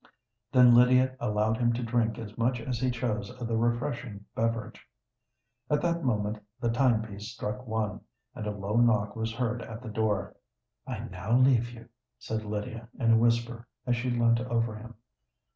Then Lydia allowed him to drink as much as he chose of the refreshing beverage. At that moment the time piece struck one, and a low knock was heard at the door. "I now leave you," said Lydia, in a whisper, as she leant over him.